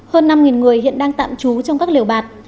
hơn năm người hiện đang tạm trú trong các liều bạt